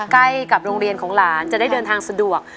ใกล้กับโรงเรียนของหลานจะได้เดินทางสะดวก